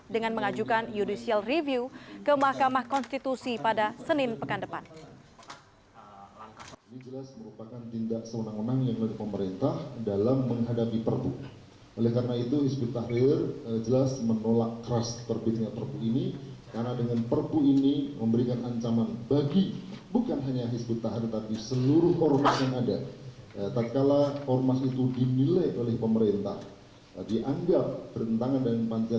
dengan mengajukan judicial review ke mahkamah konstitusi pada senin pekan depan